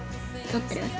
撮ってる？